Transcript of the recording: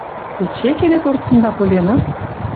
«Эче кеде торцында Поленов?» —